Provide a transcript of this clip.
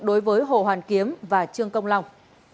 đối với hồ hoàn kiếm và trương công long